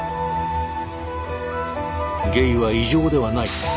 「ゲイは異常ではない」